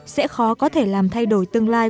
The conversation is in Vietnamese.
sẽ khó có thể làm thay đổi tương lai